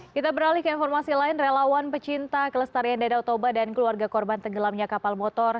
kita beralih ke informasi lain relawan pecinta kelestarian danau toba dan keluarga korban tenggelamnya kapal motor